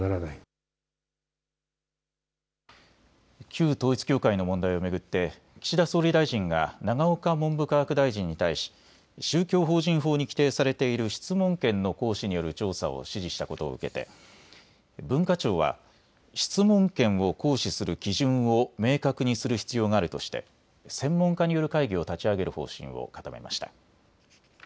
旧統一教会の問題を巡って岸田総理大臣が永岡文部科学大臣に対し宗教法人法に規定されている質問権の行使による調査を指示したことを受けて文化庁は質問権を行使する基準を明確にする必要があるとして専門家による会議を立ち上げる方針を固めました。